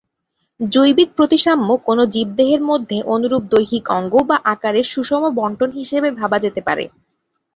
জৈবিক প্রতিসাম্য কোনো জীবদেহের মধ্যে অনুরূপ দৈহিক অঙ্গ বা আকারের সুষম বণ্টন হিসেবে ভাবা যেতে পারে।